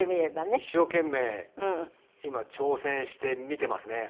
一生懸命今挑戦してみてますね。